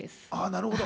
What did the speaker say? なるほど。